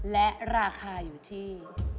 และราคาอยู่ที่